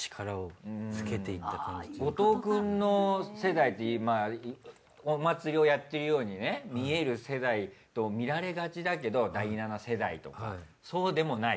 後藤くんの世代ってお祭りをやっているようにね見える世代と見られがちだけど第７世代とかそうでもない？